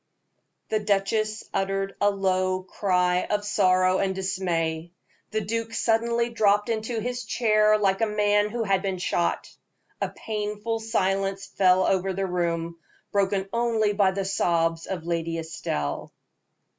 The duchess uttered a low cry of sorrow and dismay. The duke suddenly dropped into his chair like a man who had been shot. A painful silence fell over the room, broken only by the sobs of Lady Estelle.